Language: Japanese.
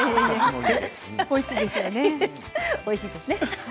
おいしいですよね。